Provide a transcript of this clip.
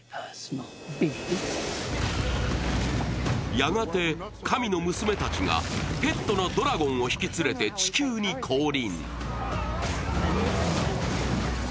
やがて神の娘たちがペットのドラゴンを引き連れて地球に降臨。